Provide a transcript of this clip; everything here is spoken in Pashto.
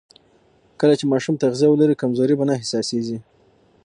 کله چې ماشوم تغذیه ولري، کمزوري به نه احساسېږي.